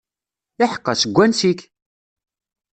Iḥeqqa, seg wansi-k?